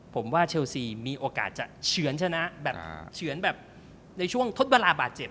ผมว่าเชลซีมีโอกาสจะเฉือนชนะแบบเฉือนแบบในช่วงทดเวลาบาดเจ็บ